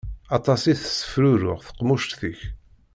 Aṭas i tessefruruy tqemmuct-ik.